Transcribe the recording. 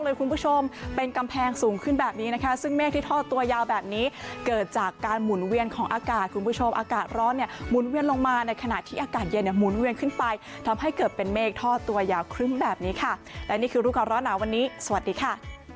ยาวแบบนี้เกิดจากการหมุนเวียนของอากาศคุณผู้ชมอากาศร้อนเนี่ยมุนเวียนลงมาในขณะที่อากาศเย็นมุนเวียนขึ้นไปทำให้เกิดเป็นเมฆทอตัวยาวครึ่มแบบนี้ค่ะและนี่คือรูปการร้อนน้ำวันนี้สวัสดีค่ะ